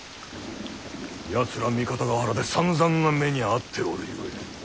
やつら三方ヶ原でさんざんな目に遭っておるゆえ。